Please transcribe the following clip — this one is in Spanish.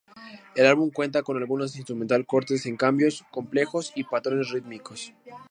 El álbum cuenta con algunas instrumental cortes con cambios complejos y patrones rítmicos.